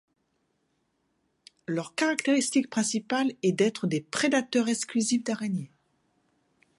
Leur caractéristique principale est d'être des prédateurs exclusifs d'araignées.